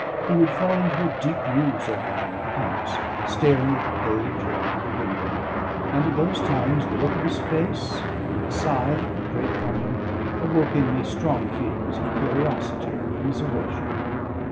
He would fall into a deep muse over our accounts, staring at the page or out of the window; and at those times the look of his face, and the sigh that would break from him, awoke in me strong feelings of curiosity and commiseration.